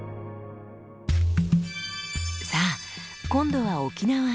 さあ今度は沖縄へ。